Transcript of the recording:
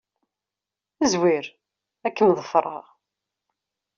Zwir. Ad kem-ḍefreɣ.